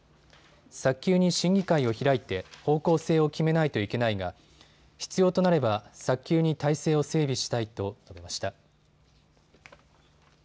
早急に審議会を開いて方向性を決めないといけないが必要となれば早急に態勢を整備したいと述べました。